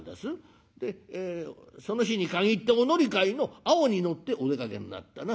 「その日に限ってお乗り換えの青に乗ってお出かけになったな。